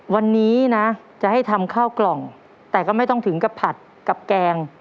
วันนี้นะจะให้ทำข้าวกล่องแต่ก็ไม่ต้องถึงกับผัดกับแกง